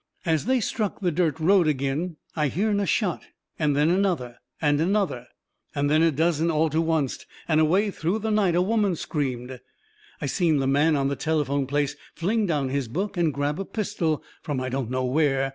As they struck the dirt road agin, I hearn a shot. And then another and another. Then a dozen all to oncet, and away off through the night a woman screamed. I seen the man in the telephone place fling down his book and grab a pistol from I don't know where.